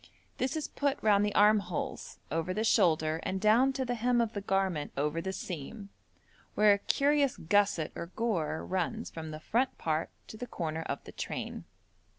This is put round the armholes, over the shoulder, and down to the hem of the garment over the seam, where a curious gusset or gore runs from the front part to the corner of the train.